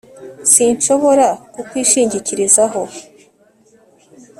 Sinshobora kukwishingikirizaho